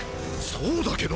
そうだけど！